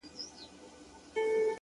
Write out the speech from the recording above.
• ته زموږ زړونه را سپين غوندي کړه؛